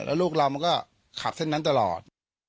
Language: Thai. แล้วลูกเรามันก็ขับเส้นนั้นตลอด